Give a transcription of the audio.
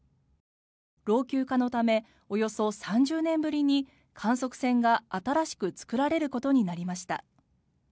老朽化のためおよそ３０年ぶりに観測船が新しく作られることになりました。